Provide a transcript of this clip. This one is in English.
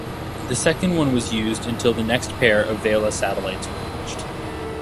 The second one was used until the next pair of Vela satellites were launched.